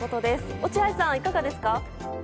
落合さん、いかがですか。